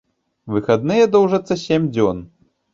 Выхадныя доўжацца сем дзён.